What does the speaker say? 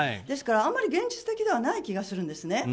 ですから、あまり現実的ではない気がするんですね。